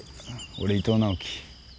俺伊藤直季。